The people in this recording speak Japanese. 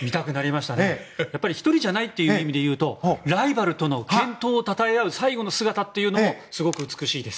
１人じゃないっていう意味で言いますとライバルとの健闘をたたえ合う最後の姿というのもすごく美しいです。